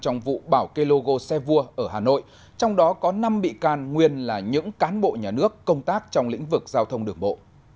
trong vụ bảo kê logo xe vua ở hà nội trong đó có năm bị can nguyên là những cán bộ nhà nước công tác trong lĩnh vực giao thông đường bộ